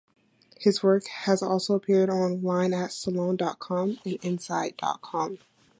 His work has also appeared on-line at "Salon dot com" and "Inside dot com".